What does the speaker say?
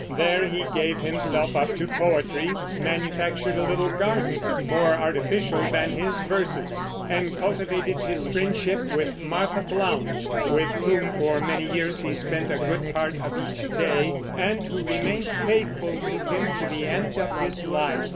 There he gave himself up to poetry, manufactured a little garden more artificial than his verses, and cultivated his friendship with Martha Blount, with whom for many years he spent a good part of each day, and who remained faithful to him to the end of his life.